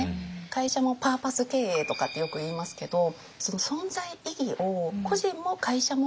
会社もパーパス経営とかってよくいいますけどその存在意義を個人も会社も求めてる。